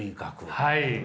はい。